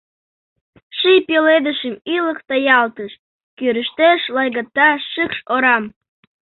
ший пеледышым ӱлык таялтыш: кӱрыштеш лайгата шикш орам.